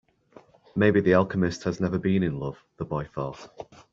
Maybe the alchemist has never been in love, the boy thought.